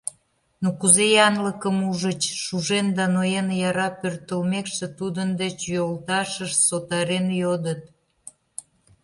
— Ну кузе, янлыкым ужыч? — шужен да ноен яра пӧртылмекше, тудын деч йолташышт сотарен йодыт.